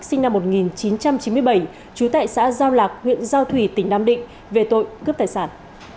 sinh năm một nghìn chín trăm chín mươi bảy trú tại xã giao lạc huyện giao thủy tỉnh nam định về tội cướp tài sản